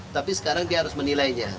tapi sekarang dia harus menilainya